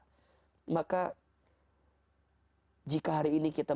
jika hari ini kita berdua bertemu dengan allah subhanahu wa ta'ala